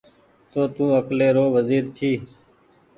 تونٚ تو اڪلي رو وزير جي